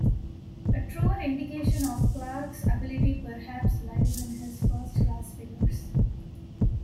A truer indication of Clarke's ability perhaps lies in his first class figures.